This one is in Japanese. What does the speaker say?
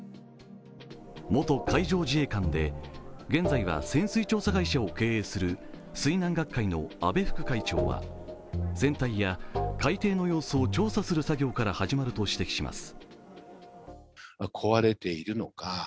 元海上自衛官で現在は潜水調査会社を経営する水難学会の安倍副会長は船体や海底の様子を調査する作業から始まると指摘します。